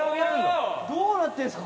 どうなってるんですか？